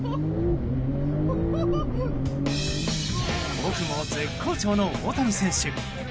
オフも絶好調の大谷選手。